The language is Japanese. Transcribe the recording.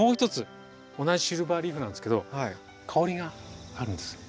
同じシルバーリーフなんですけど香りがあるんですよ。